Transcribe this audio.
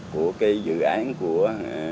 của cái dự án của